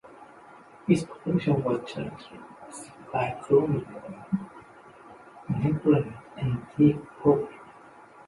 Its population was characterized by chronic unemployment and deep poverty.